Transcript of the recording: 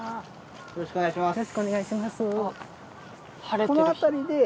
よろしくお願いします。